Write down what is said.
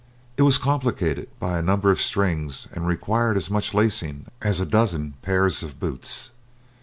It was complicated by a number of strings, and required as much lacing as a dozen pairs of boots.